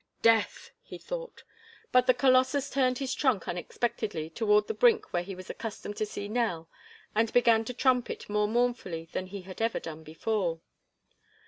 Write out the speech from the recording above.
"Death!" he thought. But the colossus turned his trunk unexpectedly toward the brink where he was accustomed to see Nell and began to trumpet more mournfully than he had ever done before.